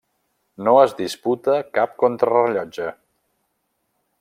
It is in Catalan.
No es diputa cap contrarellotge.